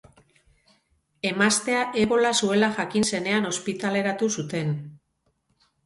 Emaztea ebola zuela jakin zenean ospitaleratu zuten.